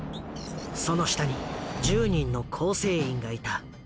その下に１０人の構成員がいた。